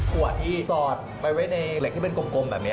ขวดที่จอดไปไว้ในเหล็กที่เป็นกลมแบบนี้